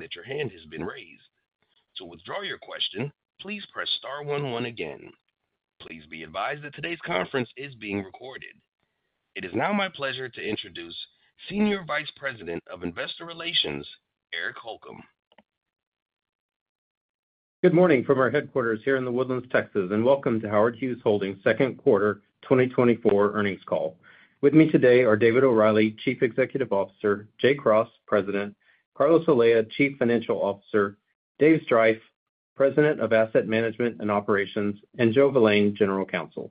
That your hand has been raised. To withdraw your question, please press star one one again. Please be advised that today's conference is being recorded. It is now my pleasure to introduce Senior Vice President of Investor Relations, Eric Holcomb. Good morning from our headquarters here in The Woodlands, Texas, and welcome to Howard Hughes Holdings's second quarter 2024 earnings call. With me today are David O'Reilly, Chief Executive Officer; Jay Cross, President; Carlos Olea, Chief Financial Officer; Dave Striph, President of Asset Management and Operations; and Joe Valane, General Counsel.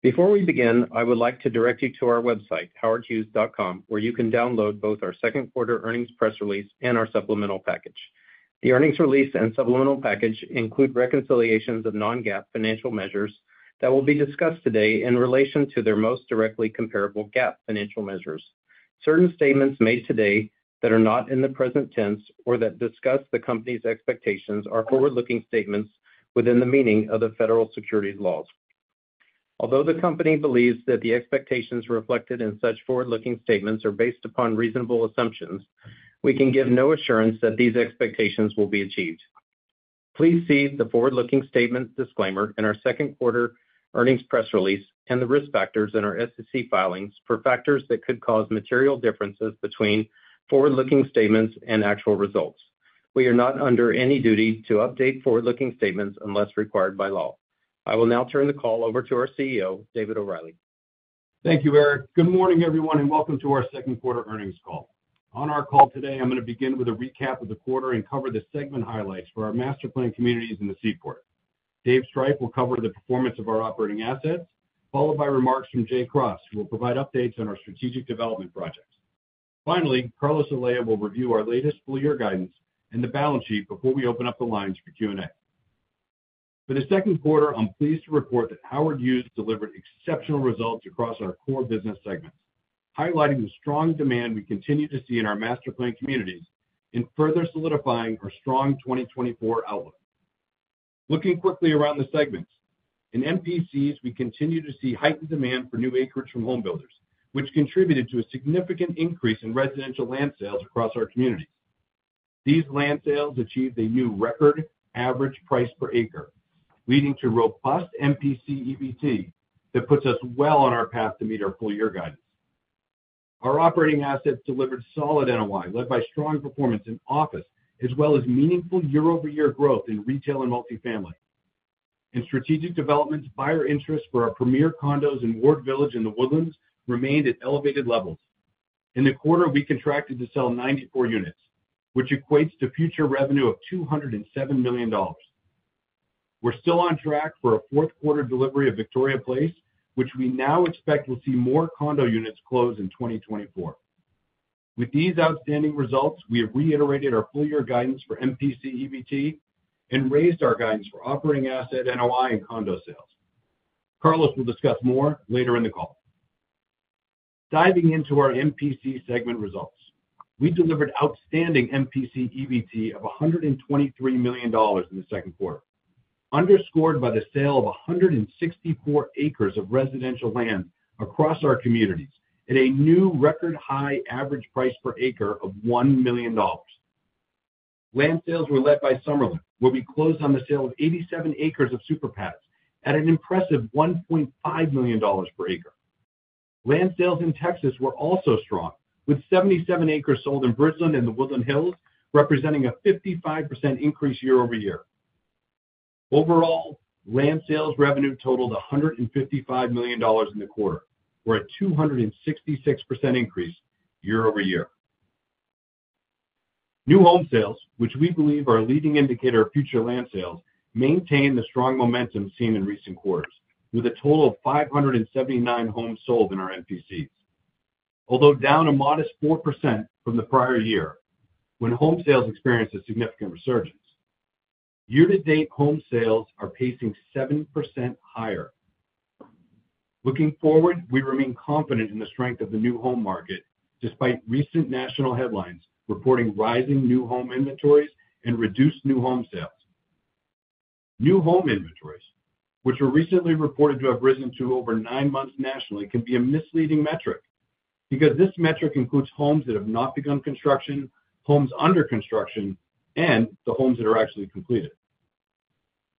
Before we begin, I would like to direct you to our website, howardhughes.com, where you can download both our second quarter earnings press release and our supplemental package. The earnings release and supplemental package include reconciliations of non-GAAP financial measures that will be discussed today in relation to their most directly comparable GAAP financial measures. Certain statements made today that are not in the present tense or that discuss the company's expectations are forward-looking statements within the meaning of the federal securities laws. Although the company believes that the expectations reflected in such forward-looking statements are based upon reasonable assumptions, we can give no assurance that these expectations will be achieved. Please see the forward-looking statement disclaimer in our second quarter earnings press release and the risk factors in our SEC filings for factors that could cause material differences between forward-looking statements and actual results. We are not under any duty to update forward-looking statements unless required by law. I will now turn the call over to our CEO, David O'Reilly. Thank you, Eric. Good morning, everyone, and welcome to our second quarter earnings call. On our call today, I'm going to begin with a recap of the quarter and cover the segment highlights for our master planned communities in the Seaport. Dave Striph will cover the performance of our operating assets, followed by remarks from Jay Cross, who will provide updates on our strategic development projects. Finally, Carlos Olea will review our latest full-year guidance and the balance sheet before we open up the lines for Q&A. For the second quarter, I'm pleased to report that Howard Hughes delivered exceptional results across our core business segments, highlighting the strong demand we continue to see in our master planned communities and further solidifying our strong 2024 outlook. Looking quickly around the segments, in MPCs, we continue to see heightened demand for new acreage from homebuilders, which contributed to a significant increase in residential land sales across our communities. These land sales achieved a new record average price per acre, leading to robust MPC EBT that puts us well on our path to meet our full-year guidance. Our operating assets delivered solid NOI, led by strong performance in office, as well as meaningful year-over-year growth in retail and multifamily. In strategic developments, buyer interest for our premier condos in Ward Village and The Woodlands remained at elevated levels. In the quarter, we contracted to sell 94 units, which equates to future revenue of $207 million. We're still on track for a fourth quarter delivery of Victoria Place, which we now expect will see more condo units close in 2024. With these outstanding results, we have reiterated our full-year guidance for MPC EBT and raised our guidance for operating asset NOI and condo sales. Carlos will discuss more later in the call. Diving into our MPC segment results, we delivered outstanding MPC EBT of $123 million in the second quarter, underscored by the sale of 164 acres of residential land across our communities at a new record high average price per acre of $1 million. Land sales were led by Summerlin, where we closed on the sale of 87 acres of super pads at an impressive $1.5 million per acre. Land sales in Texas were also strong, with 77 acres sold in Bridgeland and The Woodlands Hills, representing a 55% increase year-over-year. Overall, land sales revenue totaled $155 million in the quarter, or a 266% increase year-over-year. New home sales, which we believe are a leading indicator of future land sales, maintain the strong momentum seen in recent quarters, with a total of 579 homes sold in our MPCs, although down a modest 4% from the prior year when home sales experienced a significant resurgence. Year-to-date home sales are pacing 7% higher. Looking forward, we remain confident in the strength of the new home market despite recent national headlines reporting rising new home inventories and reduced new home sales. New home inventories, which were recently reported to have risen to over nine months nationally, can be a misleading metric because this metric includes homes that have not begun construction, homes under construction, and the homes that are actually completed.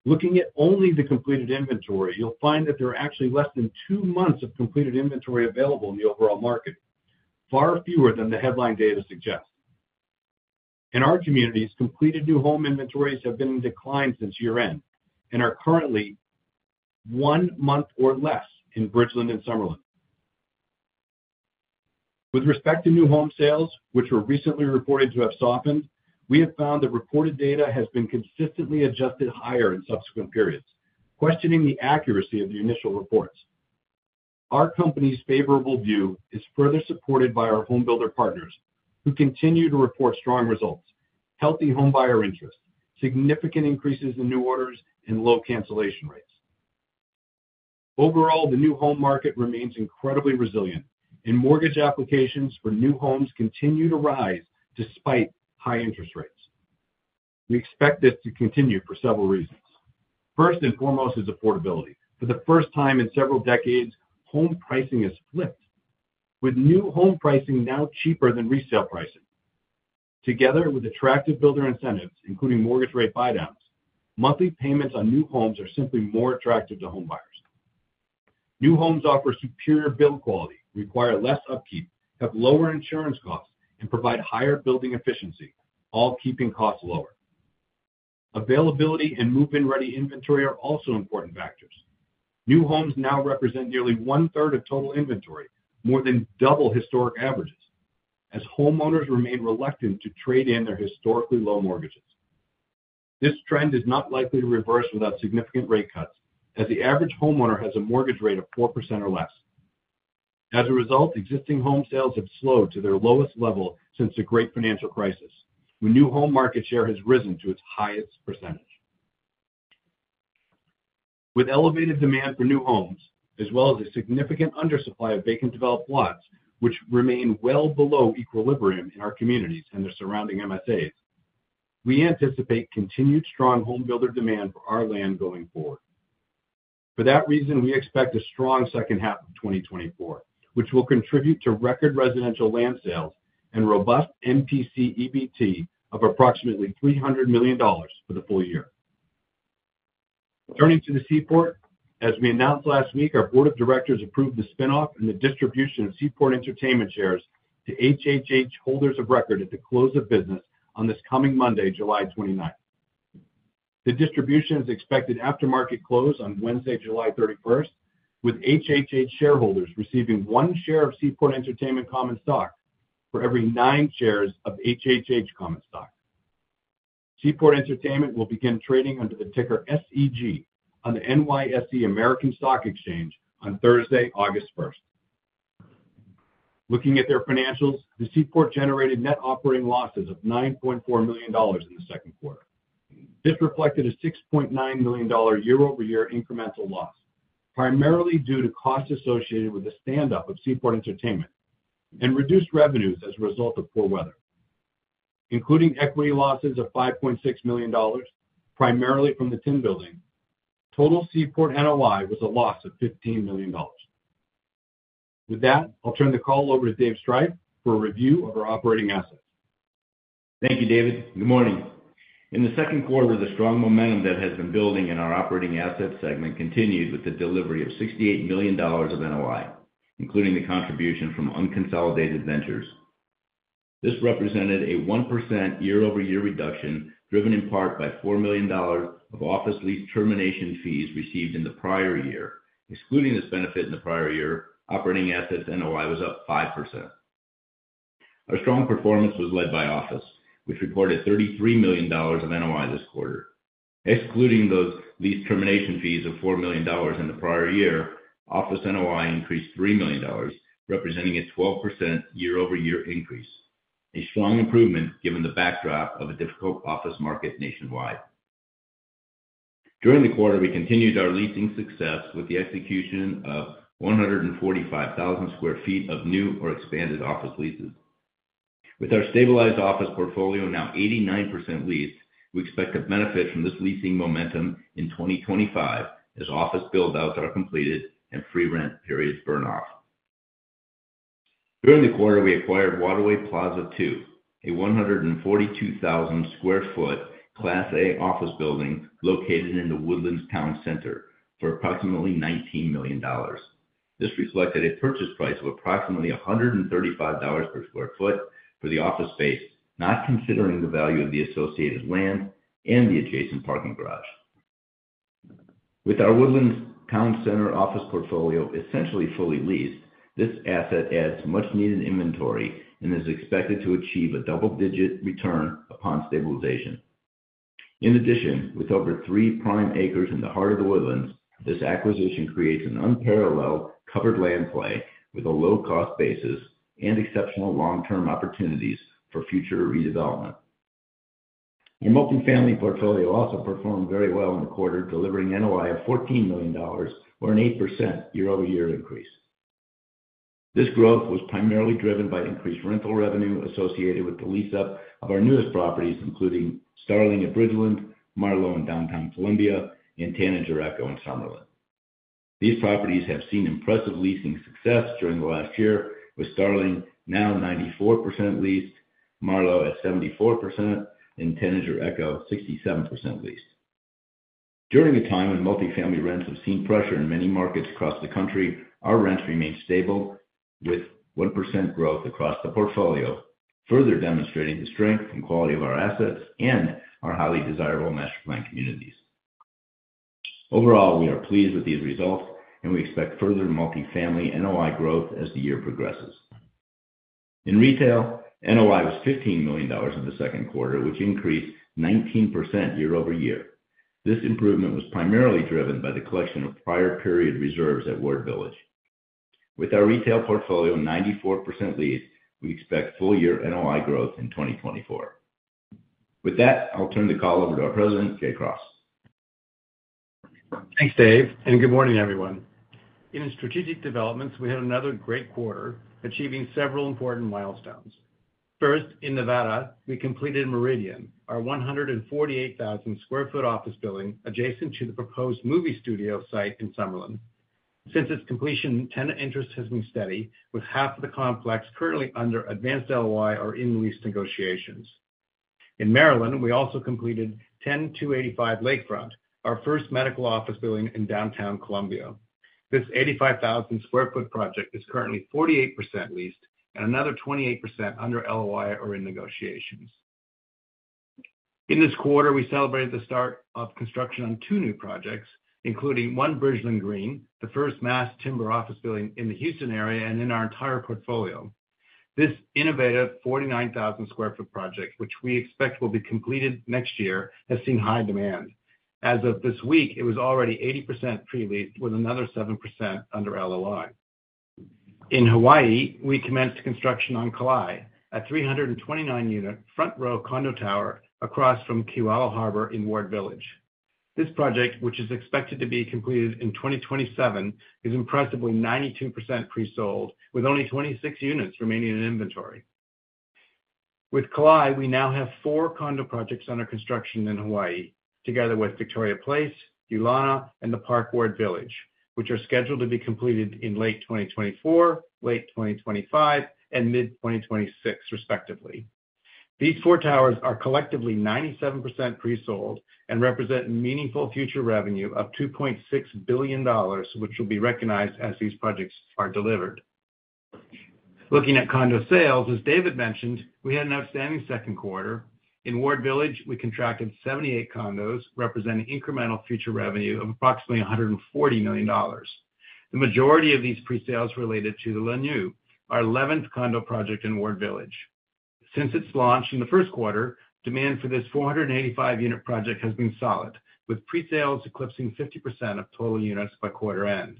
Looking at only the completed inventory, you'll find that there are actually less than two months of completed inventory available in the overall market, far fewer than the headline data suggests. In our communities, completed new home inventories have been in decline since year-end and are currently one month or less in Bridgeland and Summerlin. With respect to new home sales, which were recently reported to have softened, we have found that reported data has been consistently adjusted higher in subsequent periods, questioning the accuracy of the initial reports. Our company's favorable view is further supported by our homebuilder partners, who continue to report strong results, healthy home buyer interest, significant increases in new orders, and low cancellation rates. Overall, the new home market remains incredibly resilient, and mortgage applications for new homes continue to rise despite high interest rates. We expect this to continue for several reasons. First and foremost is affordability. For the first time in several decades, home pricing has flipped, with new home pricing now cheaper than resale pricing. Together with attractive builder incentives, including mortgage rate buy-downs, monthly payments on new homes are simply more attractive to homebuyers. New homes offer superior build quality, require less upkeep, have lower insurance costs, and provide higher building efficiency, all keeping costs lower. Availability and move-in ready inventory are also important factors. New homes now represent nearly one-third of total inventory, more than double historic averages, as homeowners remain reluctant to trade in their historically low mortgages. This trend is not likely to reverse without significant rate cuts, as the average homeowner has a mortgage rate of 4% or less. As a result, existing home sales have slowed to their lowest level since the Great Financial Crisis, when new home market share has risen to its highest percentage. With elevated demand for new homes, as well as a significant undersupply of vacant developed lots, which remain well below equilibrium in our communities and their surrounding MSAs, we anticipate continued strong homebuilder demand for our land going forward. For that reason, we expect a strong second half of 2024, which will contribute to record residential land sales and robust MPC EBT of approximately $300 million for the full year. Turning to the Seaport, as we announced last week, our board of directors approved the spinoff and the distribution of Seaport Entertainment shares to HHH holders of record at the close of business on this coming Monday, July 29th. The distribution is expected after market close on Wednesday, July 31st, with HHH shareholders receiving one share of Seaport Entertainment common stock for every nine shares of HHH common stock. Seaport Entertainment will begin trading under the ticker SEG on the NYSE American Stock Exchange on Thursday, August 1st. Looking at their financials, the Seaport generated net operating losses of $9.4 million in the second quarter. This reflected a $6.9 million year-over-year incremental loss, primarily due to costs associated with the stand-up of Seaport Entertainment and reduced revenues as a result of poor weather. Including equity losses of $5.6 million, primarily from the Tin Building, total Seaport NOI was a loss of $15 million. With that, I'll turn the call over to Dave Striph for a review of our operating assets. Thank you, David. Good morning. In the second quarter, the strong momentum that has been building in our operating assets segment continued with the delivery of $68 million of NOI, including the contribution from unconsolidated ventures. This represented a 1% year-over-year reduction, driven in part by $4 million of office lease termination fees received in the prior year. Excluding this benefit in the prior year, operating assets NOI was up 5%. Our strong performance was led by office, which reported $33 million of NOI this quarter. Excluding those lease termination fees of $4 million in the prior year, office NOI increased $3 million, representing a 12% year-over-year increase, a strong improvement given the backdrop of a difficult office market nationwide. During the quarter, we continued our leasing success with the execution of 145,000 sq ft of new or expanded office leases. With our stabilized office portfolio now 89% leased, we expect to benefit from this leasing momentum in 2025 as office build-outs are completed and free rent periods burn off. During the quarter, we acquired Waterway Plaza II, a 142,000 sq ft Class A office building located in The Woodlands Town Center for approximately $19 million. This reflected a purchase price of approximately $135 per sq ft for the office space, not considering the value of the associated land and the adjacent parking garage. With our Woodlands Town Center office portfolio essentially fully leased, this asset adds much-needed inventory and is expected to achieve a double-digit return upon stabilization. In addition, with over three prime acres in the heart of The Woodlands, this acquisition creates an unparalleled covered land play with a low-cost basis and exceptional long-term opportunities for future redevelopment. Our multifamily portfolio also performed very well in the quarter, delivering NOI of $14 million, or an 8% year-over-year increase. This growth was primarily driven by increased rental revenue associated with the lease-up of our newest properties, including Starling at Bridgeland, Marlowe in Downtown Columbia, and Tanager Echo in Summerlin. These properties have seen impressive leasing success during the last year, with Starling now 94% leased, Marlowe at 74%, and Tanager Echo 67% leased. During a time when multifamily rents have seen pressure in many markets across the country, our rents remained stable with 1% growth across the portfolio, further demonstrating the strength and quality of our assets and our highly desirable master planned communities. Overall, we are pleased with these results, and we expect further multifamily NOI growth as the year progresses. In retail, NOI was $15 million in the second quarter, which increased 19% year-over-year. This improvement was primarily driven by the collection of prior-period reserves at Ward Village. With our retail portfolio 94% leased, we expect full-year NOI growth in 2024. With that, I'll turn the call over to our president, Jay Cross. Thanks, Dave, and good morning, everyone. In strategic developments, we had another great quarter, achieving several important milestones. First, in Nevada, we completed Meridian, our 148,000 sq ft office building adjacent to the proposed movie studio site in Summerlin. Since its completion, tenant interest has been steady, with half of the complex currently under advanced LOI or in-lease negotiations. In Maryland, we also completed 10285 Lakefront, our first medical office building in Downtown Columbia. This 85,000 sq ft project is currently 48% leased and another 28% under LOI or in negotiations. In this quarter, we celebrated the start of construction on two new projects, including One Bridgeland Green, the first mass timber office building in the Houston area and in our entire portfolio. This innovative 49,000 sq ft project, which we expect will be completed next year, has seen high demand. As of this week, it was already 80% pre-leased, with another 7% under LOI. In Hawaii, we commenced construction on Kalae at 329-unit front-row condo tower across from Kewalo Harbor in Ward Village. This project, which is expected to be completed in 2027, is impressively 92% pre-sold, with only 26 units remaining in inventory. With Kalae, we now have four condo projects under construction in Hawaii, together with Victoria Place, Ulana, and The Park Ward Village, which are scheduled to be completed in late 2024, late 2025, and mid-2026, respectively. These four towers are collectively 97% pre-sold and represent meaningful future revenue of $2.6 billion, which will be recognized as these projects are delivered. Looking at condo sales, as David mentioned, we had an outstanding second quarter. In Ward Village, we contracted 78 condos, representing incremental future revenue of approximately $140 million. The majority of these pre-sales related to The Launiu, our 11th condo project in Ward Village. Since its launch in the first quarter, demand for this 485-unit project has been solid, with pre-sales eclipsing 50% of total units by quarter end.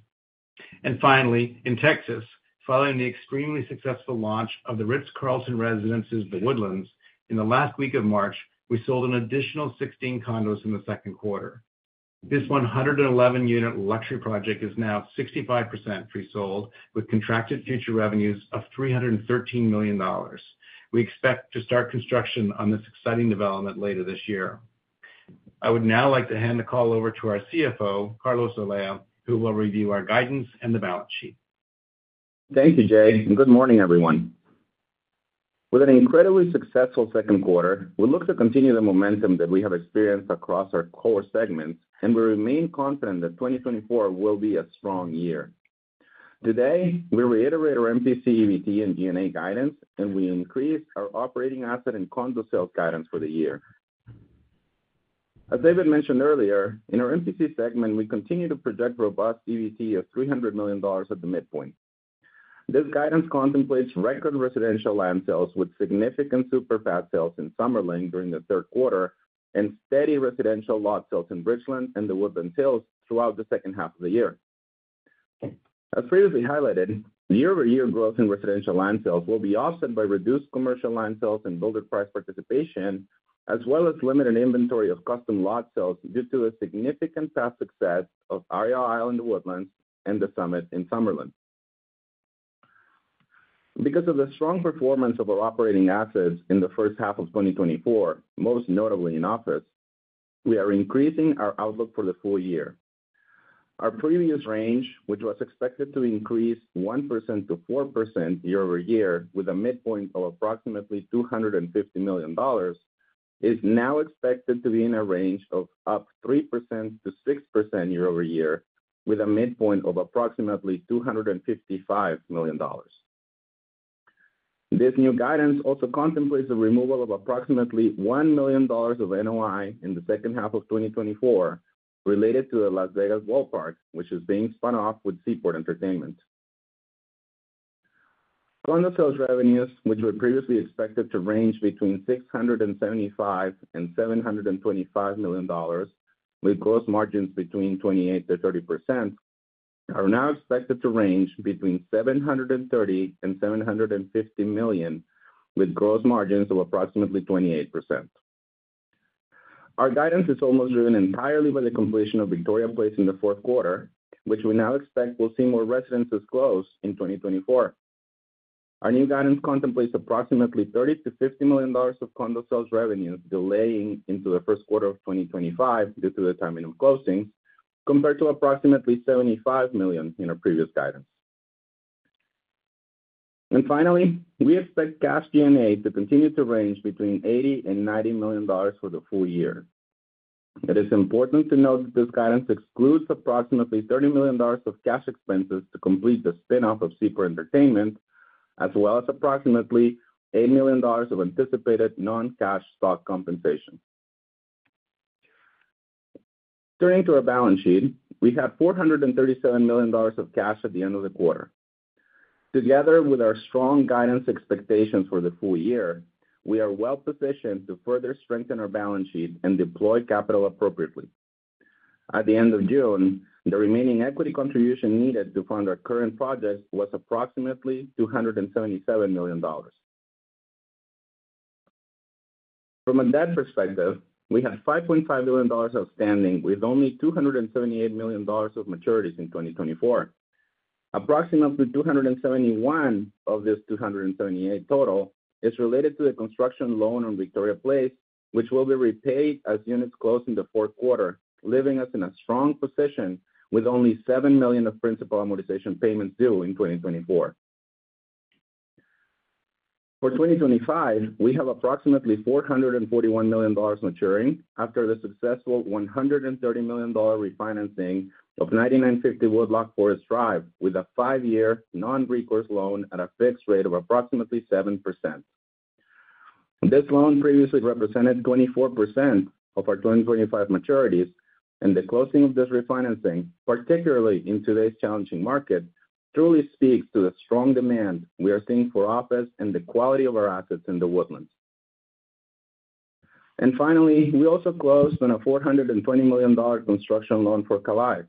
And finally, in Texas, following the extremely successful launch of the Ritz-Carlton Residences in The Woodlands in the last week of March, we sold an additional 16 condos in the second quarter. This 111-unit luxury project is now 65% pre-sold, with contracted future revenues of $313 million. We expect to start construction on this exciting development later this year. I would now like to hand the call over to our CFO, Carlos Olea, who will review our guidance and the balance sheet. Thank you, Jay, and good morning, everyone. With an incredibly successful second quarter, we look to continue the momentum that we have experienced across our core segments, and we remain confident that 2024 will be a strong year. Today, we reiterate our MPC EBT and NOI guidance, and we increase our operating asset and condo sales guidance for the year. As David mentioned earlier, in our MPC segment, we continue to project robust EBT of $300 million at the midpoint. This guidance contemplates record residential land sales with significant super pad sales in Summerlin during the third quarter and steady residential lot sales in Bridgeland and The Woodlands Hills throughout the second half of the year. As previously highlighted, year-over-year growth in residential land sales will be offset by reduced commercial land sales and builder price participation, as well as limited inventory of custom lot sales due to the significant past success of REI Island Woodlands and the Summit in Summerlin. Because of the strong performance of our operating assets in the first half of 2024, most notably in office, we are increasing our outlook for the full year. Our previous range, which was expected to increase 1%-4% year-over-year, with a midpoint of approximately $250 million, is now expected to be in a range of up 3%-6% year-over-year, with a midpoint of approximately $255 million. This new guidance also contemplates the removal of approximately $1 million of NOI in the second half of 2024, related to the Las Vegas Ballpark, which is being spun off with Seaport Entertainment. Condo sales revenues, which were previously expected to range between $675 million and $725 million, with gross margins between 28%-30%, are now expected to range between $730 million and $750 million, with gross margins of approximately 28%. Our guidance is almost driven entirely by the completion of Victoria Place in the fourth quarter, which we now expect will see more residences close in 2024. Our new guidance contemplates approximately $30 million-$50 million of condo sales revenues delaying into the first quarter of 2025 due to the timing of closings, compared to approximately $75 million in our previous guidance. And finally, we expect cash NOI to continue to range between $80 and $90 million for the full year. It is important to note that this guidance excludes approximately $30 million of cash expenses to complete the spin-off of Seaport Entertainment, as well as approximately $8 million of anticipated non-cash stock compensation. Turning to our balance sheet, we had $437 million of cash at the end of the quarter. Together with our strong guidance expectations for the full year, we are well-positioned to further strengthen our balance sheet and deploy capital appropriately. At the end of June, the remaining equity contribution needed to fund our current projects was approximately $277 million. From a debt perspective, we had $5.5 billion outstanding, with only $278 million of maturities in 2024. Approximately $271 of this $278 total is related to the construction loan on Victoria Place, which will be repaid as units close in the fourth quarter, leaving us in a strong position with only $7 million of principal amortization payments due in 2024. For 2025, we have approximately $441 million maturing after the successful $130 million refinancing of 9950 Woodloch Forest Drive, with a five-year non-recourse loan at a fixed rate of approximately 7%. This loan previously represented 24% of our 2025 maturities, and the closing of this refinancing, particularly in today's challenging market, truly speaks to the strong demand we are seeing for office and the quality of our assets in The Woodlands. And finally, we also closed on a $420 million construction loan for Kalae.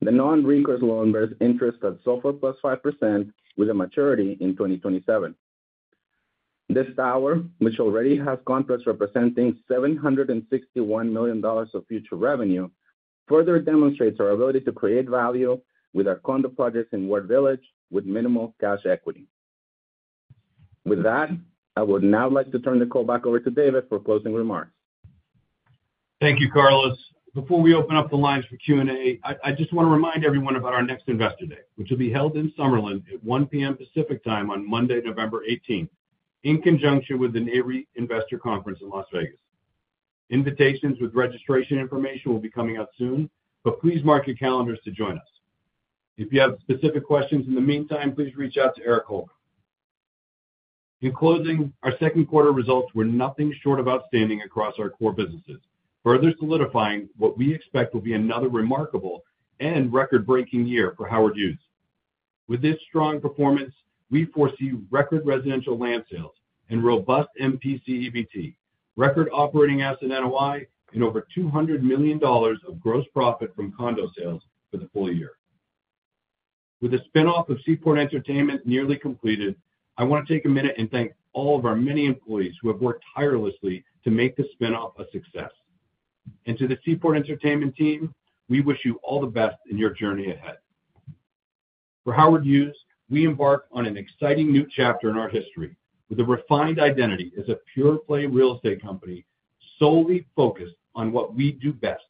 The non-recourse loan bears interest at SOFR plus 5%, with a maturity in 2027. This tower, which already has a complex representing $761 million of future revenue, further demonstrates our ability to create value with our condo projects in Ward Village with minimal cash equity. With that, I would now like to turn the call back over to David for closing remarks. Thank you, Carlos. Before we open up the lines for Q&A, I just want to remind everyone about our next Investor Day, which will be held in Summerlin at 1:00 P.M. Pacific Time on Monday, November 18, in conjunction with the Nareit Investor Conference in Las Vegas. Invitations with registration information will be coming out soon, but please mark your calendars to join us. If you have specific questions in the meantime, please reach out to Eric Holcomb. In closing, our second quarter results were nothing short of outstanding across our core businesses, further solidifying what we expect will be another remarkable and record-breaking year for Howard Hughes. With this strong performance, we foresee record residential land sales and robust MPC EBT, record operating asset NOI, and over $200 million of gross profit from condo sales for the full year. With the spin-off of Seaport Entertainment nearly completed, I want to take a minute and thank all of our many employees who have worked tirelessly to make the spin-off a success. And to the Seaport Entertainment team, we wish you all the best in your journey ahead. For Howard Hughes, we embark on an exciting new chapter in our history with a refined identity as a pure-play real estate company solely focused on what we do best: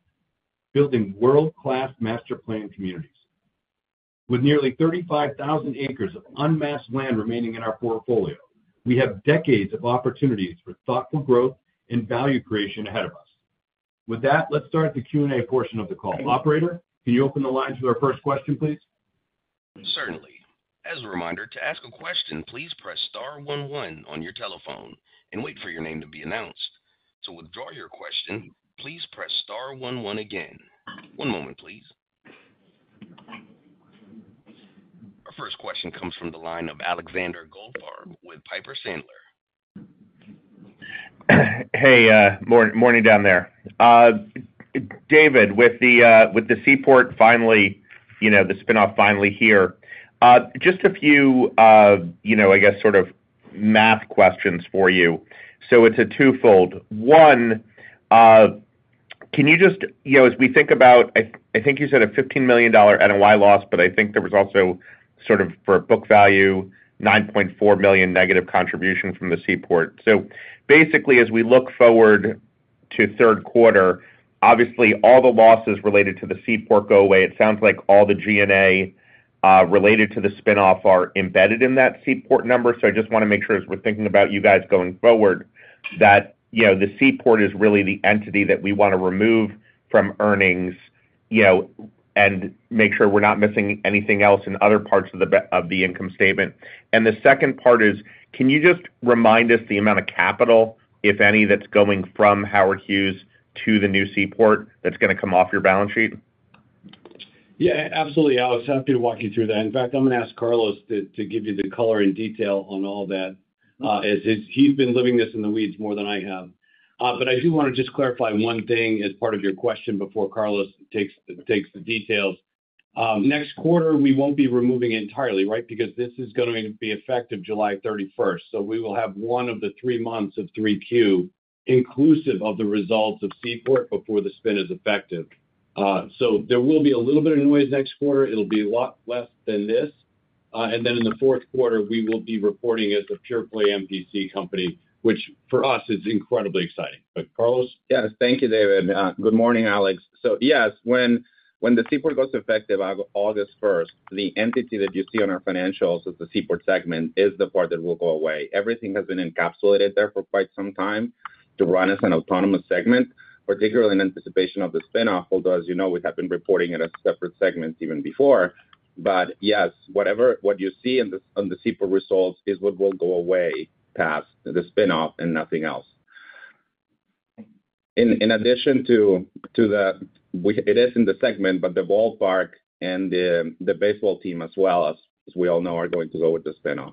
building world-class master plan communities. With nearly 35,000 acres of entitled land remaining in our portfolio, we have decades of opportunities for thoughtful growth and value creation ahead of us. With that, let's start the Q&A portion of the call. Operator, can you open the line to our first question, please? Certainly. As a reminder, to ask a question, please press star one one on your telephone and wait for your name to be announced. To withdraw your question, please press star one one again. One moment, please. Our first question comes from the line of Alexander Goldfarb with Piper Sandler. Hey, morning down there. David, with the Seaport finally, the spinoff finally here, just a few, I guess, sort of math questions for you. So it's a twofold. One, can you just, as we think about, I think you said a $15 million NOI loss, but I think there was also sort of for book value, $9.4 million negative contribution from the Seaport. So basically, as we look forward to third quarter, obviously, all the losses related to the Seaport go away. It sounds like all the G&A related to the spinoff are embedded in that Seaport number. So I just want to make sure, as we're thinking about you guys going forward, that the Seaport is really the entity that we want to remove from earnings and make sure we're not missing anything else in other parts of the income statement. The second part is, can you just remind us the amount of capital, if any, that's going from Howard Hughes to the new Seaport that's going to come off your balance sheet? Yeah, absolutely. I was happy to walk you through that. In fact, I'm going to ask Carlos to give you the color and detail on all that, as he's been living this in the weeds more than I have. But I do want to just clarify one thing as part of your question before Carlos takes the details. Next quarter, we won't be removing entirely, right? Because this is going to be effective July 31st. So we will have one of the three months of 3Q inclusive of the results of Seaport before the spin is effective. So there will be a little bit of noise next quarter. It'll be a lot less than this. And then in the fourth quarter, we will be reporting as a pure-play MPC company, which for us is incredibly exciting. But, Carlos. Yes. Thank you, David. Good morning, Alex. So yes, when the Seaport goes effective August 1, the entity that you see on our financials as the Seaport segment is the part that will go away. Everything has been encapsulated there for quite some time to run as an autonomous segment, particularly in anticipation of the spinoff, although, as you know, we have been reporting it as separate segments even before. But yes, whatever you see on the Seaport results is what will go away past the spinoff and nothing else. In addition to the, it is in the segment, but the ballpark and the baseball team, as well, as we all know, are going to go with the spinoff.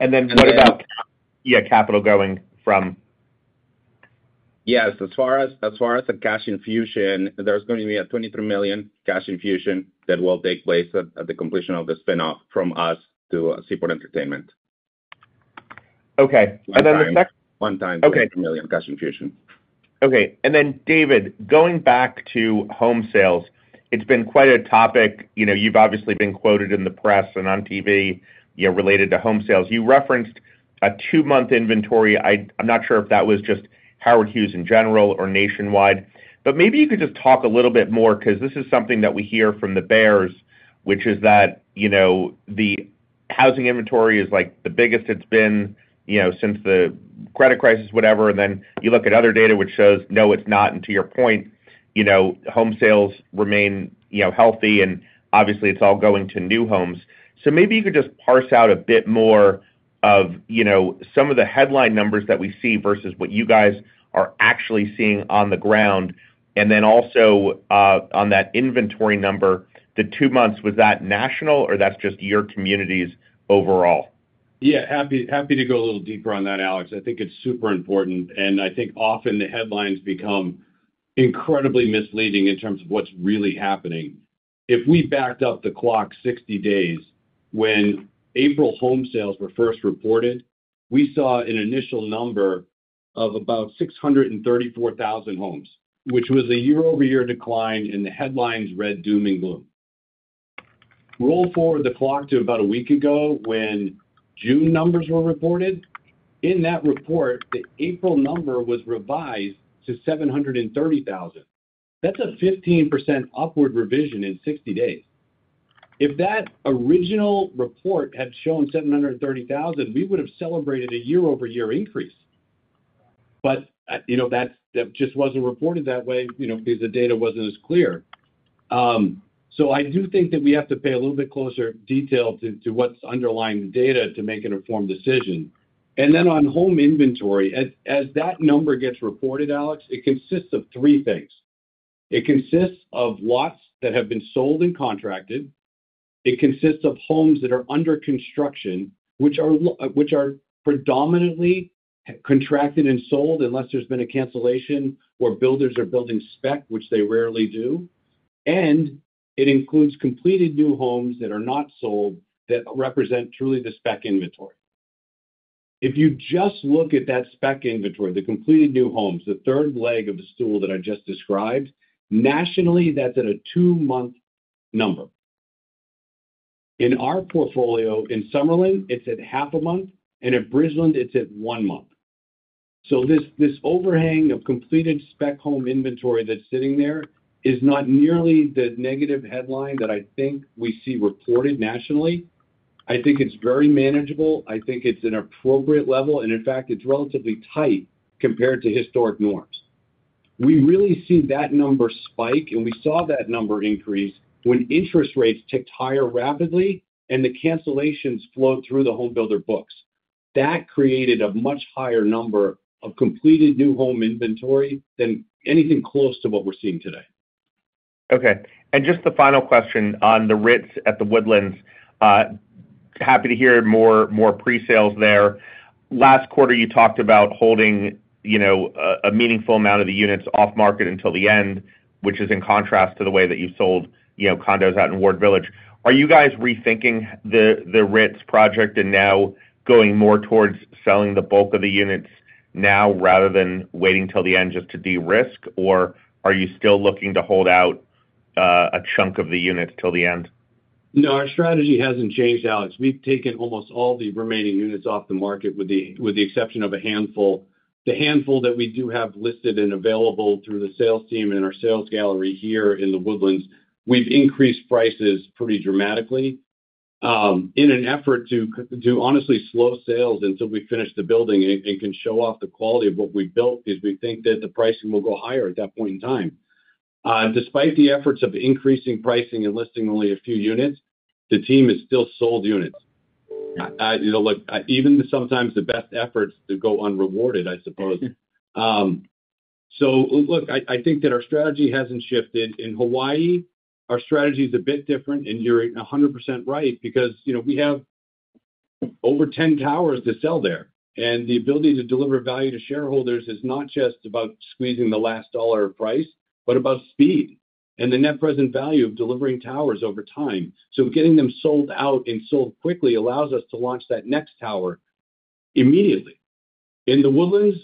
Then what about, yeah, capital going from? Yes. As far as the cash infusion, there's going to be a $23 million cash infusion that will take place at the completion of the spinoff from us to Seaport Entertainment. Okay. And then the second. One time, $23 million cash infusion. Okay. And then, David, going back to home sales, it's been quite a topic. You've obviously been quoted in the press and on TV related to home sales. You referenced a 2-month inventory. I'm not sure if that was just Howard Hughes in general or nationwide. But maybe you could just talk a little bit more because this is something that we hear from the bears, which is that the housing inventory is like the biggest it's been since the credit crisis, whatever. And then you look at other data, which shows, no, it's not. And to your point, home sales remain healthy, and obviously, it's all going to new homes. So maybe you could just parse out a bit more of some of the headline numbers that we see versus what you guys are actually seeing on the ground. Also on that inventory number, the 2 months, was that national or that's just your community's overall? Yeah. Happy to go a little deeper on that, Alex. I think it's super important. I think often the headlines become incredibly misleading in terms of what's really happening. If we backed up the clock 60 days, when April home sales were first reported, we saw an initial number of about 634,000 homes, which was a year-over-year decline in the headlines read doom and gloom. Roll forward the clock to about a week ago when June numbers were reported. In that report, the April number was revised to 730,000. That's a 15% upward revision in 60 days. If that original report had shown 730,000, we would have celebrated a year-over-year increase. But that just wasn't reported that way because the data wasn't as clear. I do think that we have to pay a little bit closer detail to what's underlying the data to make an informed decision. And then on home inventory, as that number gets reported, Alex, it consists of three things. It consists of lots that have been sold and contracted. It consists of homes that are under construction, which are predominantly contracted and sold unless there's been a cancellation or builders are building spec, which they rarely do. And it includes completed new homes that are not sold that represent truly the spec inventory. If you just look at that spec inventory, the completed new homes, the third leg of the stool that I just described, nationally, that's at a two-month number. In our portfolio in Summerlin, it's at half a month, and at Bridgeland, it's at one month. So this overhang of completed spec home inventory that's sitting there is not nearly the negative headline that I think we see reported nationally. I think it's very manageable. I think it's an appropriate level. In fact, it's relatively tight compared to historic norms. We really see that number spike, and we saw that number increase when interest rates ticked higher rapidly and the cancellations flowed through the homebuilder books. That created a much higher number of completed new home inventory than anything close to what we're seeing today. Okay. Just the final question on the Ritz at The Woodlands. Happy to hear more pre-sales there. Last quarter, you talked about holding a meaningful amount of the units off-market until the end, which is in contrast to the way that you've sold condos out in Ward Village. Are you guys rethinking the Ritz project and now going more towards selling the bulk of the units now rather than waiting till the end just to de-risk? Or are you still looking to hold out a chunk of the units till the end? No, our strategy hasn't changed, Alex. We've taken almost all the remaining units off the market with the exception of a handful. The handful that we do have listed and available through the sales team and our sales gallery here in The Woodlands, we've increased prices pretty dramatically in an effort to honestly slow sales until we finish the building and can show off the quality of what we've built because we think that the pricing will go higher at that point in time. Despite the efforts of increasing pricing and listing only a few units, the team has still sold units. Even sometimes the best efforts go unrewarded, I suppose. So look, I think that our strategy hasn't shifted. In Hawaii, our strategy is a bit different, and you're 100% right because we have over 10 towers to sell there. The ability to deliver value to shareholders is not just about squeezing the last dollar of price, but about speed and the net present value of delivering towers over time. Getting them sold out and sold quickly allows us to launch that next tower immediately. In the Woodlands,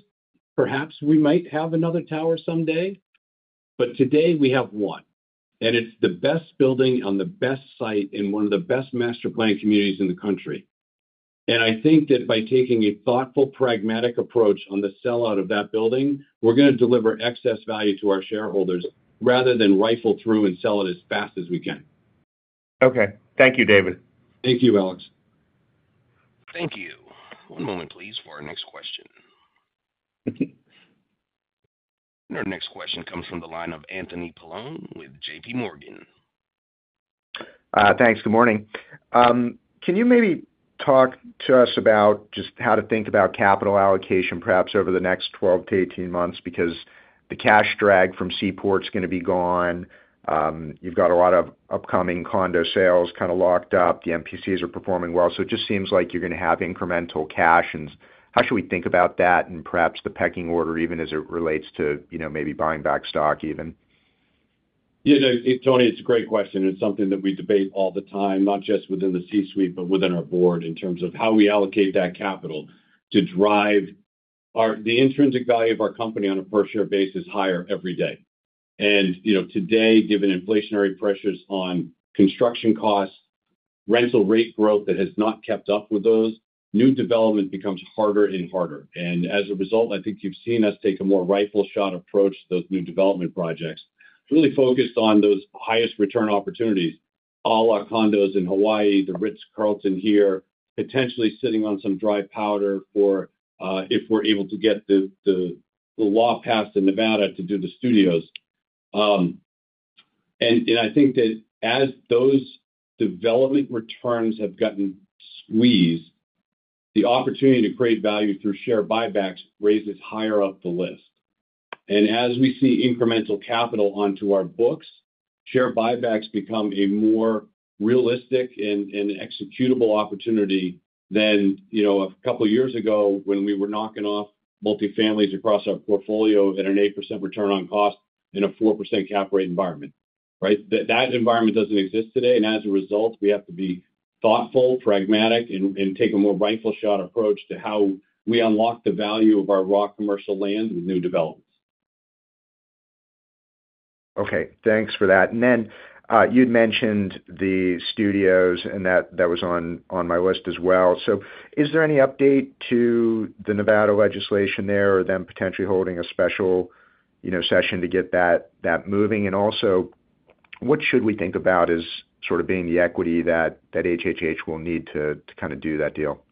perhaps we might have another tower someday, but today we have one. It's the best building on the best site in one of the best master plan communities in the country. I think that by taking a thoughtful, pragmatic approach on the sellout of that building, we're going to deliver excess value to our shareholders rather than rifle through and sell it as fast as we can. Okay. Thank you, David. Thank you, Alex. Thank you. One moment, please, for our next question. Our next question comes from the line of Anthony Paolone with J.P. Morgan. Thanks. Good morning. Can you maybe talk to us about just how to think about capital allocation, perhaps over the next 12-18 months? Because the cash drag from Seaport is going to be gone. You've got a lot of upcoming condo sales kind of locked up. The MPCs are performing well. So it just seems like you're going to have incremental cash. And how should we think about that and perhaps the pecking order even as it relates to maybe buying back stock even? Yeah. Tony, it's a great question. It's something that we debate all the time, not just within the C-suite, but within our board in terms of how we allocate that capital to drive the intrinsic value of our company on a per-share basis higher every day. And today, given inflationary pressures on construction costs, rental rate growth that has not kept up with those, new development becomes harder and harder. And as a result, I think you've seen us take a more rifle-shot approach to those new development projects, really focused on those highest return opportunities: all our condos in Hawaii, the Ritz-Carlton here, potentially sitting on some dry powder for if we're able to get the law passed in Nevada to do the studios. I think that as those development returns have gotten squeezed, the opportunity to create value through share buybacks raises higher up the list. As we see incremental capital onto our books, share buybacks become a more realistic and executable opportunity than a couple of years ago when we were knocking off multifamilies across our portfolio at an 8% return on cost in a 4% cap rate environment, right? That environment doesn't exist today. As a result, we have to be thoughtful, pragmatic, and take a more rifle-shot approach to how we unlock the value of our raw commercial land with new developments. Okay. Thanks for that. And then you'd mentioned the studios, and that was on my list as well. So is there any update to the Nevada legislation there or them potentially holding a special session to get that moving? And also, what should we think about as sort of being the equity that HHH will need to kind of do that deal?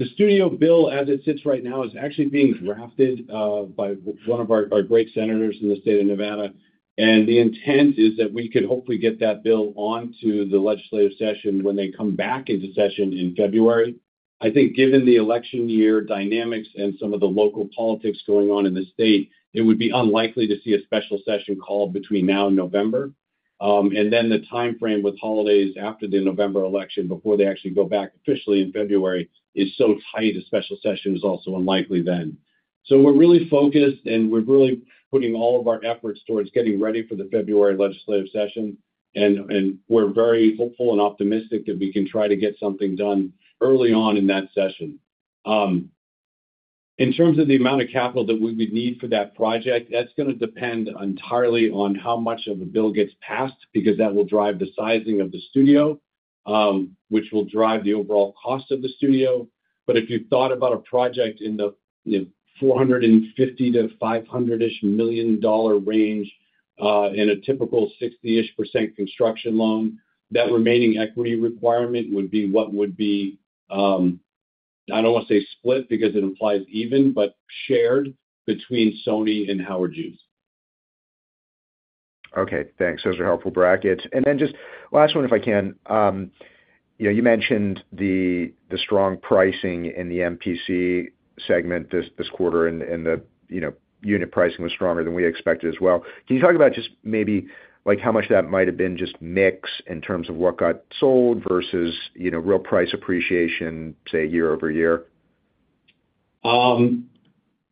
The studio bill, as it sits right now, is actually being drafted by one of our great senators in the state of Nevada. The intent is that we could hopefully get that bill on to the legislative session when they come back into session in February. I think given the election year dynamics and some of the local politics going on in the state, it would be unlikely to see a special session called between now and November. Then the timeframe with holidays after the November election before they actually go back officially in February is so tight, a special session is also unlikely then. We're really focused, and we're really putting all of our efforts towards getting ready for the February legislative session. We're very hopeful and optimistic that we can try to get something done early on in that session. In terms of the amount of capital that we would need for that project, that's going to depend entirely on how much of the bill gets passed because that will drive the sizing of the studio, which will drive the overall cost of the studio. But if you thought about a project in the $450 million-$500 million-ish range in a typical 60-ish% construction loan, that remaining equity requirement would be what would be, I don't want to say split because it implies even, but shared between Sony and Howard Hughes. Okay. Thanks. Those are helpful brackets. And then just last one, if I can. You mentioned the strong pricing in the MPC segment this quarter, and the unit pricing was stronger than we expected as well. Can you talk about just maybe how much that might have been just mix in terms of what got sold versus real price appreciation, say, year-over-year?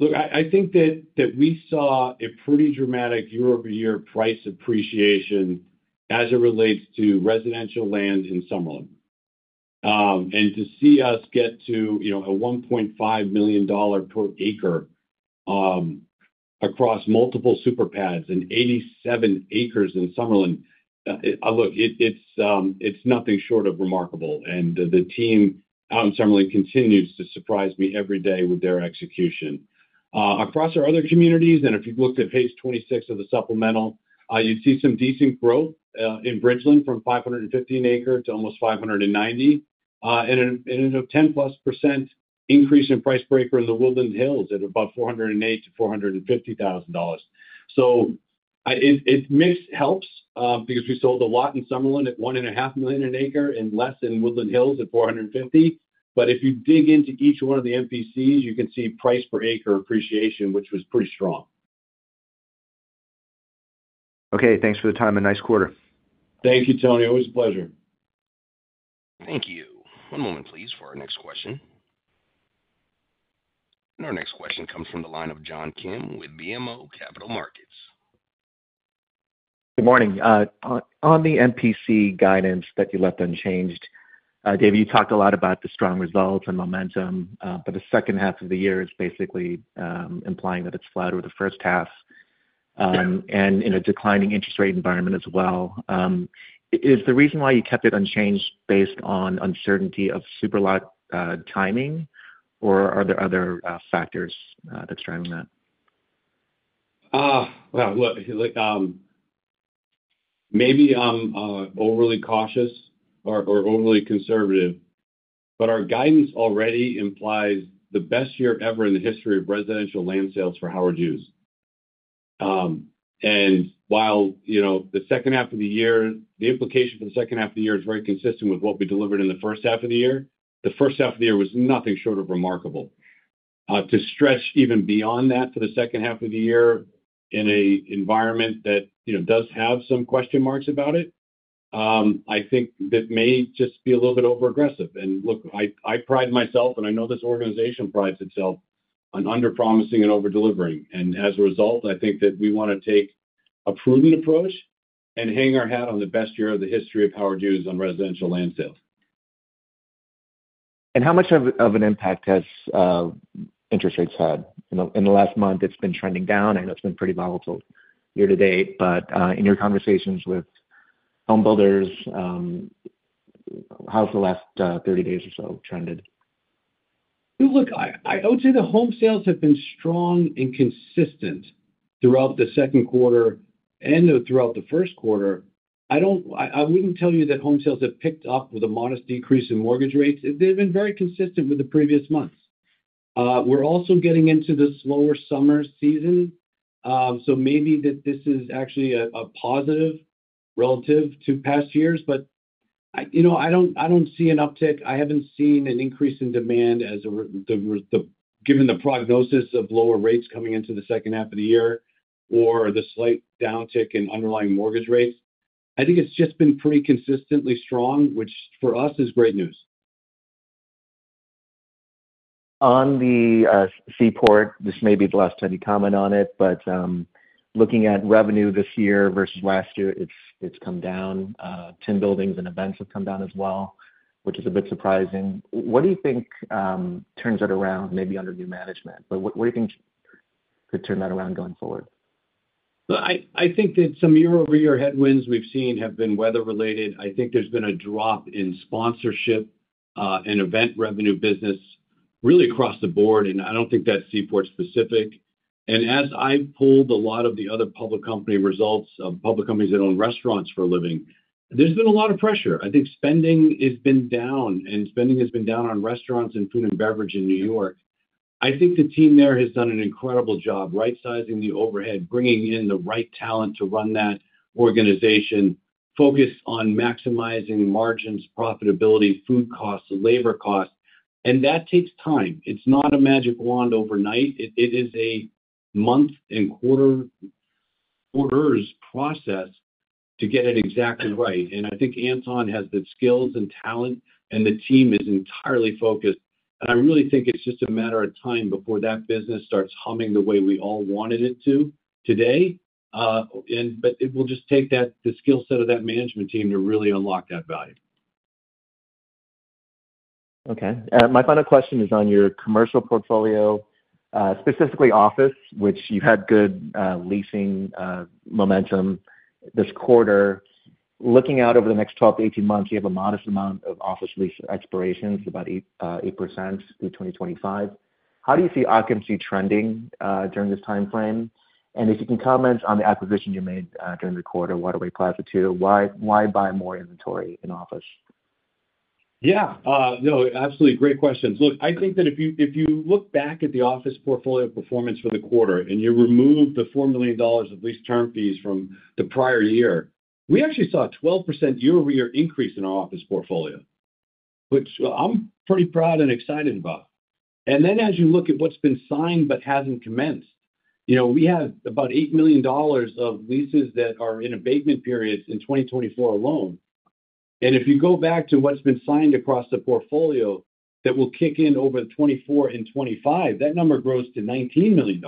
Look, I think that we saw a pretty dramatic year-over-year price appreciation as it relates to residential land in Summerlin. To see us get to a $1.5 million per acre across multiple super pads and 87 acres in Summerlin, look, it's nothing short of remarkable. The team out in Summerlin continues to surprise me every day with their execution. Across our other communities, if you've looked at page 26 of the supplemental, you'd see some decent growth in Bridgeland from $550 an acre to almost $590 and a 10%+ increase in price per acre in The Woodlands Hills at about $408,000-$450,000. So it helps because we sold a lot in Summerlin at $1.5 million an acre and less in The Woodlands Hills at $450,000. But if you dig into each one of the MPCs, you can see price per acre appreciation, which was pretty strong. Okay. Thanks for the time. A nice quarter. Thank you, Tony. Always a pleasure. Thank you. One moment, please, for our next question. Our next question comes from the line of John Kim with BMO Capital Markets. Good morning. On the MPC guidance that you left unchanged, David, you talked a lot about the strong results and momentum, but the second half of the year is basically implying that it's flat or the first half and in a declining interest rate environment as well. Is the reason why you kept it unchanged based on uncertainty of super pad timing, or are there other factors that's driving that? Well, look, maybe I'm overly cautious or overly conservative, but our guidance already implies the best year ever in the history of residential land sales for Howard Hughes. And while the second half of the year, the implication for the second half of the year is very consistent with what we delivered in the first half of the year, the first half of the year was nothing short of remarkable. To stretch even beyond that for the second half of the year in an environment that does have some question marks about it, I think that may just be a little bit over-aggressive. And look, I pride myself, and I know this organization prides itself on under-promising and over-delivering. As a result, I think that we want to take a prudent approach and hang our hat on the best year of the history of Howard Hughes on residential land sales. How much of an impact has interest rates had? In the last month, it's been trending down. I know it's been pretty volatile year to date. But in your conversations with homebuilders, how has the last 30 days or so trended? Look, I would say the home sales have been strong and consistent throughout the second quarter and throughout the first quarter. I wouldn't tell you that home sales have picked up with a modest decrease in mortgage rates. They've been very consistent with the previous months. We're also getting into the slower summer season, so maybe that this is actually a positive relative to past years. But I don't see an uptick. I haven't seen an increase in demand given the prognosis of lower rates coming into the second half of the year or the slight downtick in underlying mortgage rates. I think it's just been pretty consistently strong, which for us is great news. On the Seaport, this may be the last time you comment on it, but looking at revenue this year versus last year, it's come down. 10 buildings and events have come down as well, which is a bit surprising. What do you think turns it around maybe under new management? But what do you think could turn that around going forward? I think that some year-over-year headwinds we've seen have been weather-related. I think there's been a drop in sponsorship and event revenue business really across the board. And I don't think that's Seaport specific. And as I've pulled a lot of the other public company results of public companies that own restaurants for a living, there's been a lot of pressure. I think spending has been down, and spending has been down on restaurants and food and beverage in New York. I think the team there has done an incredible job right-sizing the overhead, bringing in the right talent to run that organization, focused on maximizing margins, profitability, food costs, labor costs. And that takes time. It's not a magic wand overnight. It is a month and quarters process to get it exactly right. And I think Anton has the skills and talent, and the team is entirely focused. I really think it's just a matter of time before that business starts humming the way we all wanted it to today. It will just take the skill set of that management team to really unlock that value. Okay. My final question is on your commercial portfolio, specifically office, which you've had good leasing momentum this quarter. Looking out over the next 12-18 months, you have a modest amount of office lease expirations, about 8% through 2025. How do you see occupancy trending during this timeframe? And if you can comment on the acquisition you made during the quarter, Waterway Plaza II, why buy more inventory in office? Yeah. No, absolutely great questions. Look, I think that if you look back at the office portfolio performance for the quarter and you remove the $4 million of lease term fees from the prior year, we actually saw a 12% year-over-year increase in our office portfolio, which I'm pretty proud and excited about. And then as you look at what's been signed but hasn't commenced, we have about $8 million of leases that are in abatement periods in 2024 alone. And if you go back to what's been signed across the portfolio that will kick in over 2024 and 2025, that number grows to $19 million.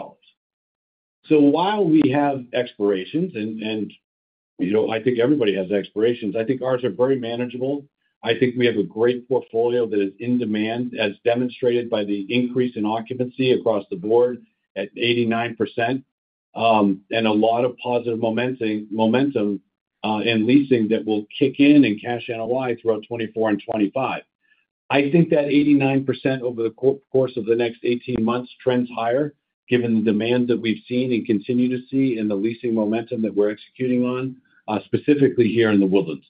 So while we have expirations, and I think everybody has expirations, I think ours are very manageable. I think we have a great portfolio that is in demand, as demonstrated by the increase in occupancy across the board at 89%, and a lot of positive momentum in leasing that will kick in and Cash NOI lies throughout 2024 and 2025. I think that 89% over the course of the next 18 months trends higher given the demand that we've seen and continue to see in the leasing momentum that we're executing on, specifically here in The Woodlands.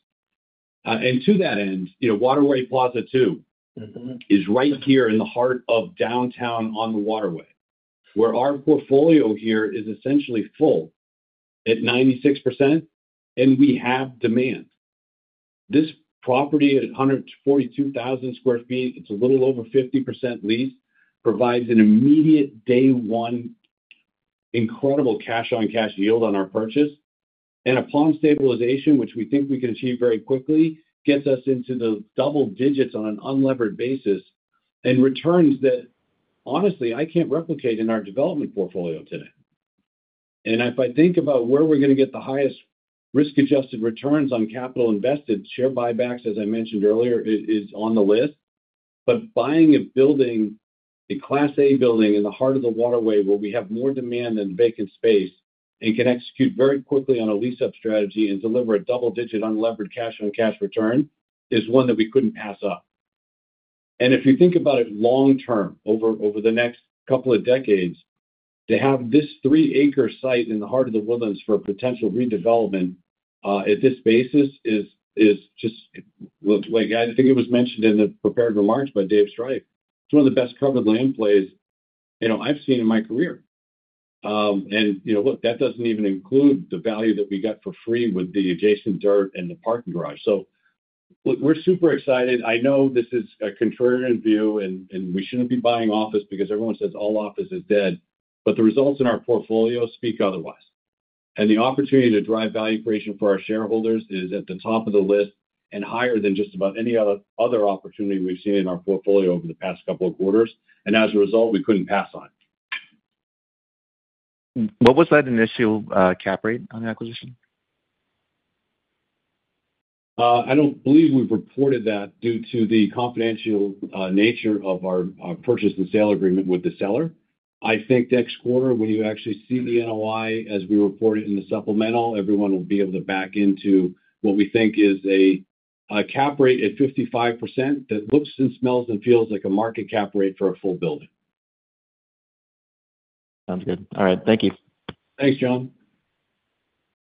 To that end, Waterway Plaza II is right here in the heart of downtown on the Waterway, where our portfolio here is essentially full at 96%, and we have demand. This property at 142,000 sq ft, it's a little over 50% leased, provides an immediate day-one incredible cash-on-cash yield on our purchase. Upon stabilization, which we think we can achieve very quickly, gets us into the double digits on an unlevered basis and returns that, honestly, I can't replicate in our development portfolio today. If I think about where we're going to get the highest risk-adjusted returns on capital invested, share buybacks, as I mentioned earlier, is on the list. But buying a building, a Class A building in the heart of the Waterway, where we have more demand than vacant space, and can execute very quickly on a lease-up strategy and deliver a double-digit unlevered cash-on-cash return is one that we couldn't pass up. And if you think about it long-term, over the next couple of decades, to have this three-acre site in the heart of The Woodlands for potential redevelopment at this basis is just, look, I think it was mentioned in the prepared remarks by Dave Striph, it's one of the best covered land plays I've seen in my career. And look, that doesn't even include the value that we got for free with the adjacent dirt and the parking garage. So look, we're super excited. I know this is a contrarian view, and we shouldn't be buying office because everyone says all office is dead. But the results in our portfolio speak otherwise. And the opportunity to drive value creation for our shareholders is at the top of the list and higher than just about any other opportunity we've seen in our portfolio over the past couple of quarters. As a result, we couldn't pass on it. What was that initial cap rate on the acquisition? I don't believe we've reported that due to the confidential nature of our purchase and sale agreement with the seller. I think next quarter, when you actually see the NOI as we report it in the supplemental, everyone will be able to back into what we think is a cap rate at 55% that looks and smells and feels like a market cap rate for a full building. Sounds good. All right. Thank you. Thanks, John.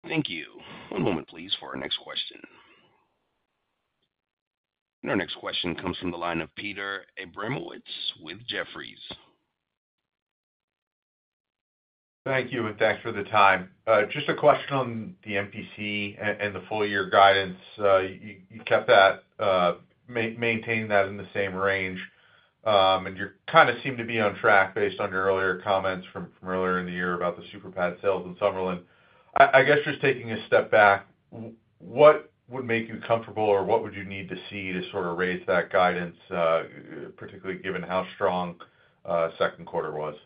Thank you. One moment, please, for our next question. Our next question comes from the line of Peter Abramowitz with Jefferies. Thank you. Thanks for the time. Just a question on the MPC and the full-year guidance. You kept that, maintained that in the same range. You kind of seem to be on track based on your earlier comments from earlier in the year about the super pad sales in Summerlin. I guess just taking a step back, what would make you comfortable, or what would you need to see to sort of raise that guidance, particularly given how strong second quarter was?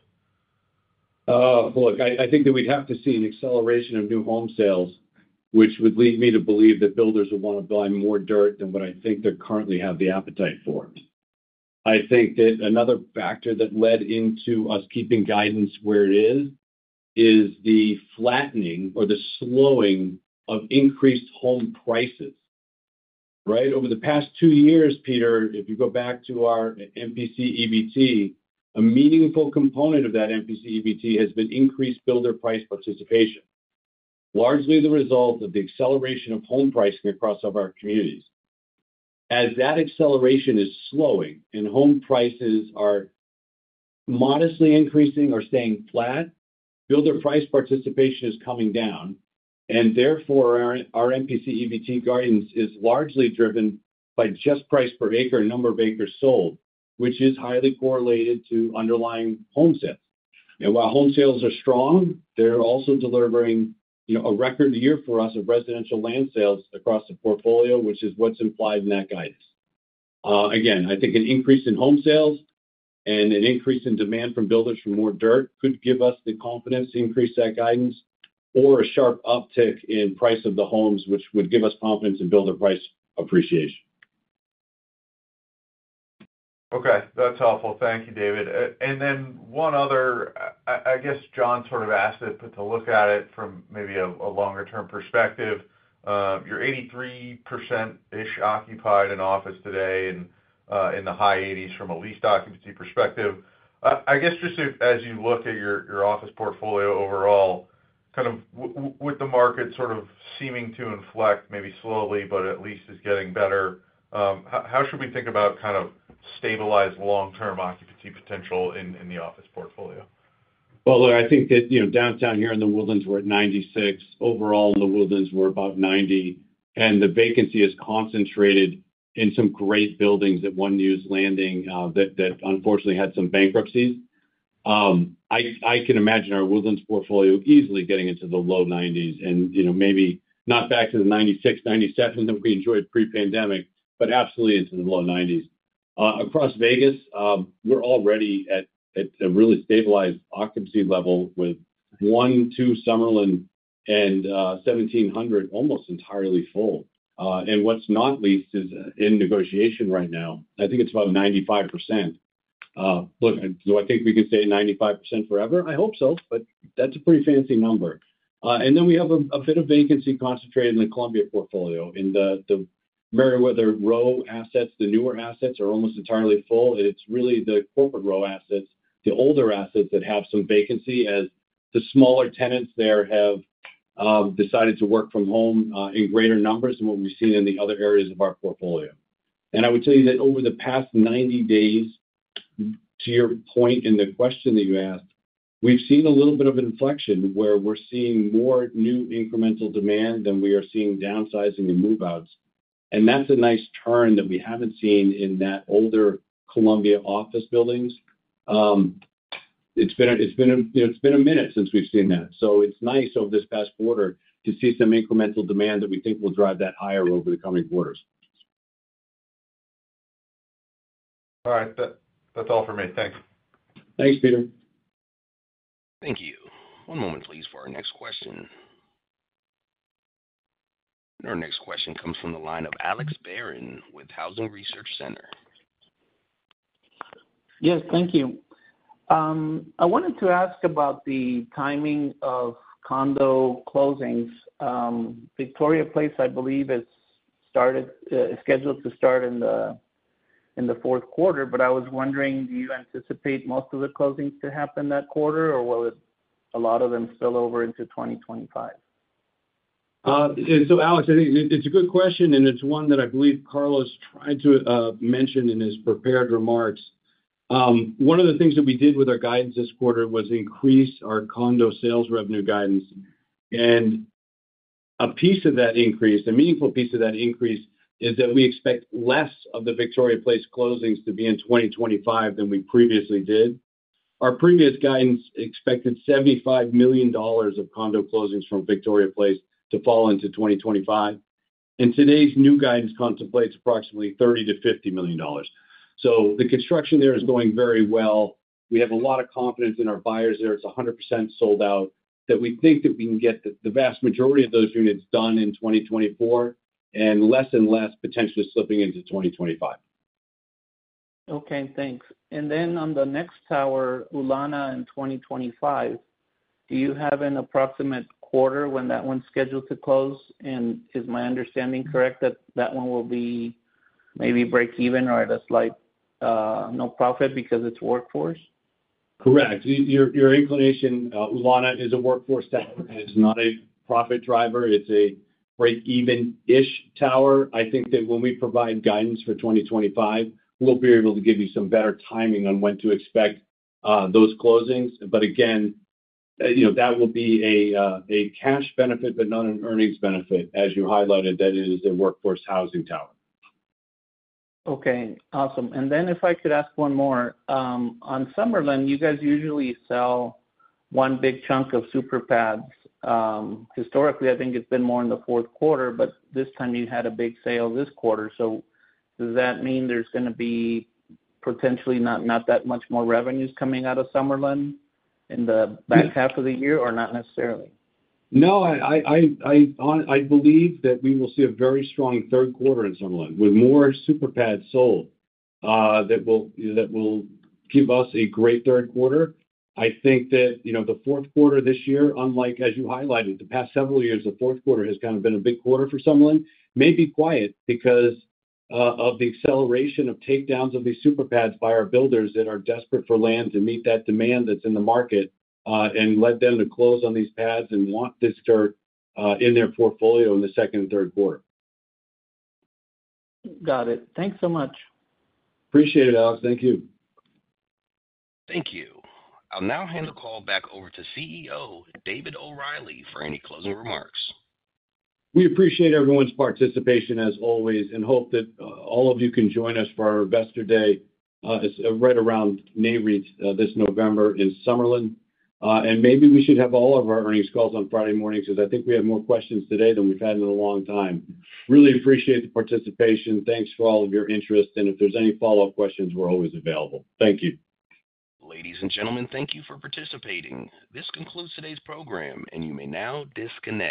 Look, I think that we'd have to see an acceleration of new home sales, which would lead me to believe that builders will want to buy more dirt than what I think they currently have the appetite for. I think that another factor that led into us keeping guidance where it is is the flattening or the slowing of increased home prices. Right? Over the past two years, Peter, if you go back to our MPC EBT, a meaningful component of that MPC EBT has been increased builder price participation, largely the result of the acceleration of home pricing across our communities. As that acceleration is slowing and home prices are modestly increasing or staying flat, builder price participation is coming down. And therefore, our MPC EBT guidance is largely driven by just price per acre and number of acres sold, which is highly correlated to underlying home sales. While home sales are strong, they're also delivering a record year for us of residential land sales across the portfolio, which is what's implied in that guidance. Again, I think an increase in home sales and an increase in demand from builders for more dirt could give us the confidence to increase that guidance or a sharp uptick in price of the homes, which would give us confidence in builder price appreciation. Okay. That's helpful. Thank you, David. And then one other, I guess John sort of asked it, but to look at it from maybe a longer-term perspective, you're 83%-ish occupied in office today and in the high 80s from a lease occupancy perspective. I guess just as you look at your office portfolio overall, kind of with the market sort of seeming to inflect maybe slowly, but at least is getting better, how should we think about kind of stabilized long-term occupancy potential in the office portfolio? Well, look, I think that downtown here in The Woodlands, we're at 96%. Overall, in The Woodlands, we're about 90%. And the vacancy is concentrated in some great buildings at One Hughes Landing that unfortunately had some bankruptcies. I can imagine our Woodlands portfolio easily getting into the low 90s and maybe not back to the 96, 97 that we enjoyed pre-pandemic, but absolutely into the low 90s. Across Vegas, we're already at a really stabilized occupancy level with One, Two Summerlin, and 1700 almost entirely full. And what's not leased is in negotiation right now. I think it's about 95%. Look, do I think we can stay at 95% forever? I hope so, but that's a pretty fancy number. And then we have a bit of vacancy concentrated in the Columbia portfolio. In the Merriweather Row assets, the newer assets are almost entirely full. It's really the Corporate Row assets, the older assets that have some vacancy, as the smaller tenants there have decided to work from home in greater numbers than what we've seen in the other areas of our portfolio. I would tell you that over the past 90 days, to your point in the question that you asked, we've seen a little bit of an inflection where we're seeing more new incremental demand than we are seeing downsizing and move-outs. That's a nice turn that we haven't seen in that older Columbia office buildings. It's been a minute since we've seen that. It's nice over this past quarter to see some incremental demand that we think will drive that higher over the coming quarters. All right. That's all for me. Thanks. Thanks, Peter. Thank you. One moment, please, for our next question. Our next question comes from the line of Alex Barron with Housing Research Center. Yes, thank you. I wanted to ask about the timing of condo closings. Victoria Place, I believe, is scheduled to start in the fourth quarter, but I was wondering, do you anticipate most of the closings to happen that quarter, or will a lot of them spill over into 2025? So, Alex, it's a good question, and it's one that I believe Carlos tried to mention in his prepared remarks. One of the things that we did with our guidance this quarter was increase our condo sales revenue guidance. And a piece of that increase, a meaningful piece of that increase, is that we expect less of the Victoria Place closings to be in 2025 than we previously did. Our previous guidance expected $75 million of condo closings from Victoria Place to fall into 2025. And today's new guidance contemplates approximately $30 million-$50 million. So the construction there is going very well. We have a lot of confidence in our buyers there. It's 100% sold out that we think that we can get the vast majority of those units done in 2024 and less and less potentially slipping into 2025. Okay. Thanks. And then on the next tower, Ulana in 2025, do you have an approximate quarter when that one's scheduled to close? And is my understanding correct that that one will be maybe break even or at a slight no profit because it's workforce? Correct. Your inclination, Ulana is a workforce tower and it's not a profit driver. It's a break-even-ish tower. I think that when we provide guidance for 2025, we'll be able to give you some better timing on when to expect those closings. But again, that will be a cash benefit, but not an earnings benefit, as you highlighted that it is a workforce housing tower. Okay. Awesome. And then if I could ask one more, on Summerlin, you guys usually sell one big chunk of super pads. Historically, I think it's been more in the fourth quarter, but this time you had a big sale this quarter. So does that mean there's going to be potentially not that much more revenues coming out of Summerlin in the back half of the year or not necessarily? No, I believe that we will see a very strong third quarter in Summerlin with more super pads sold that will give us a great third quarter. I think that the fourth quarter this year, unlike, as you highlighted, the past several years, the fourth quarter has kind of been a big quarter for Summerlin, may be quiet because of the acceleration of takedowns of these super pads by our builders that are desperate for land to meet that demand that's in the market and led them to close on these pads and want this dirt in their portfolio in the second and third quarter. Got it. Thanks so much. Appreciate it, Alex. Thank you. Thank you. I'll now hand the call back over to CEO David O'Reilly for any closing remarks. We appreciate everyone's participation, as always, and hope that all of you can join us for our investor day right around mid to late this November in Summerlin. Maybe we should have all of our earnings calls on Friday mornings because I think we have more questions today than we've had in a long time. Really appreciate the participation. Thanks for all of your interest. If there's any follow-up questions, we're always available. Thank you. Ladies and gentlemen, thank you for participating. This concludes today's program, and you may now disconnect.